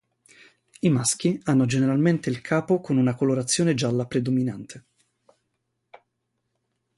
I maschi hanno generalmente il capo con una colorazione gialla predominante.